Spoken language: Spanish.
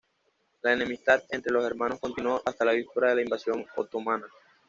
La enemistad entre los hermanos continuó hasta la víspera de la invasión otomana.